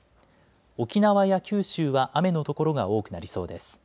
沖縄や九州は雨の所が多くなりそうです。